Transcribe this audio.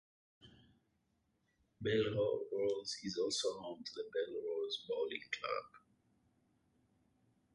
Belrose is also home to the Belrose Bowling club.